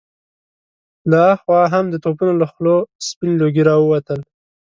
له هاخوا هم د توپونو له خولو سپين لوګي را ووتل.